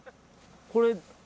これ。